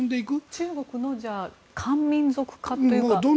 中国の漢民族化というか。